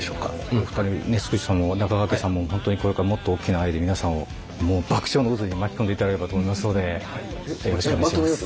もうすっちーさんも中川家さんも本当にこれからもっと大きな愛で皆さんをもう爆笑の渦に巻き込んでいただければと思いますのでよろしくお願いします。